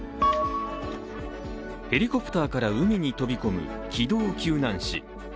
ヘリコプターから海に飛び込む機動救難士。